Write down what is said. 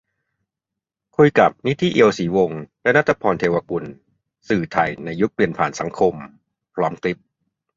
คุยกับ นิธิ เอียวศรีวงศ์ และ ณัฏฐภรณ์ เทวกุล "สื่อไทยในยุคเปลี่ยนผ่านสังคม" พร้อมคลิป